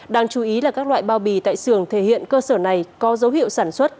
đáng chú ý là các loại bao bì tại sưởng thể hiện cơ sở này có dấu hiệu sản xuất